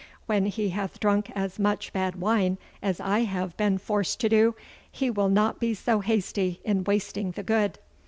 When he hath drunk as much bad wine as I have been forced to do, he will not be so hasty in wasting the good.